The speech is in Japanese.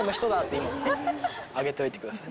今あげておいてください。